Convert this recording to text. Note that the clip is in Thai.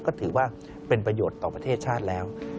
ก็ถือว่าเป็นประโยชน์ต่อประเทศชาติแล้ว